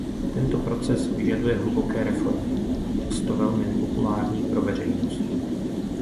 Tento proces vyžaduje hluboké reformy, často velmi nepopulární pro veřejnost.